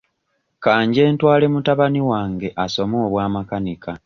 Ka nje ntwale mutabani wange asome obwa makanika.